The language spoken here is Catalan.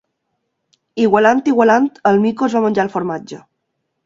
Igualant, igualant, el mico es va menjar el formatge.